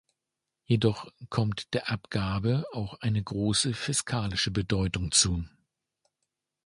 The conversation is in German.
Jedoch kommt der Abgabe auch eine große fiskalische Bedeutung hinzu.